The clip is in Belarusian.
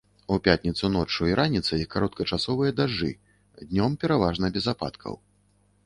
У пятніцу ноччу і раніцай кароткачасовыя дажджы, днём пераважна без ападкаў.